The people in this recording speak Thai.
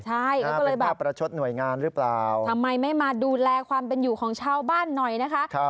เป็นภาพประชดหน่วยงานหรือเปล่านะครับโอ้โฮมีความคิดสร้างสรรค์ที่เพื่อก็เลยบอกว่าทำไมไม่มาดูแลความเป็นอยู่ของชาวบ้านหน่อยนะคะ